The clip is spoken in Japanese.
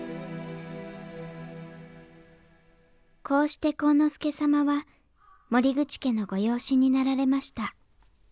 こうして晃之助様は森口家のご養子になられました。